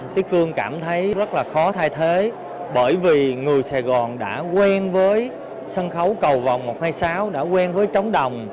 chứ cương cảm thấy rất là khó thay thế bởi vì người sài gòn đã quen với sân khấu cầu vòng một trăm hai mươi sáu đã quen với trống đồng